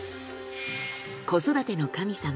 子育ての神様